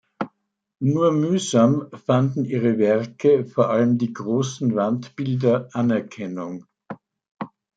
Nur mühsam fanden ihre Werke, vor allem die großen Wandbilder, Anerkennung.